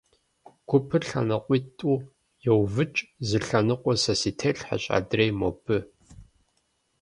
Гупыр лъэныкъуитӀу йоувыкӀ, зы лъэныкъуэр сэ си телъхьэщ, адрейр — мобы.